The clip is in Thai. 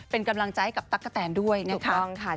เป็นกำลังใจให้กับตั๊กกะแตนด้วยนะครับลูกความค่ะ